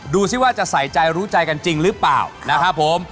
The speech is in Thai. ดูสิว่าจะใส่ใจรู้ใจกันจริงหรือเปล่านะครับผม